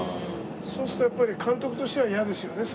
そうするとやっぱり監督としては嫌ですよね